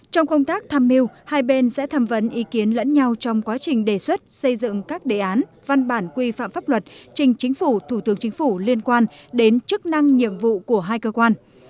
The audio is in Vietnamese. trong công tác tham mưu hai bên sẽ tham vấn ý kiến lẫn nhau trong quá trình đề xuất xây dựng các đề án văn bản quy phạm pháp luật trình chính phủ thủ tướng chính phủ liên quan đến chức năng nhiệm vụ của hai cơ quan